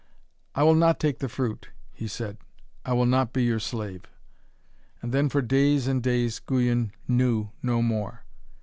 'I will not take the fruit,' he said; 'I will not be your slave.' And then, for days and days, Guyon knew no more.